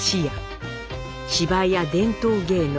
芝居や伝統芸能